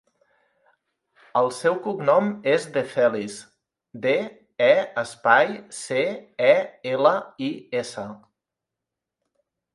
El seu cognom és De Celis: de, e, espai, ce, e, ela, i, essa.